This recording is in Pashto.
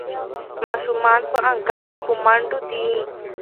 ماشومان په انګړ کې په منډو دي.